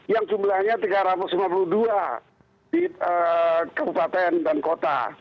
yang jumlahnya tiga ratus lima puluh dua di kabupaten dan kota